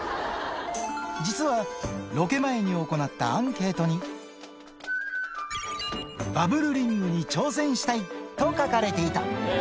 実は、ロケ前に行ったアンケートに、バブルリングに挑戦したいと書かれていた。